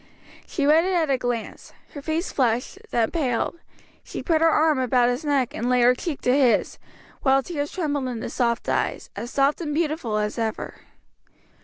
She read it at a glance; her face flushed, then paled; she put her arm about his neck, and laid her cheek to his, while tears trembled in the sweet eyes, as soft and beautiful as ever.